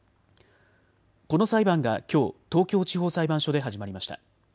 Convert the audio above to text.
この裁判がきょう東京地方裁判所で始まりました。